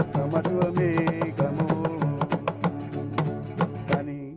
saya juga bisa melihatnya